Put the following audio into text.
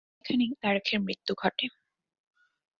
এখানেই তারাখের মৃত্যু ঘটে।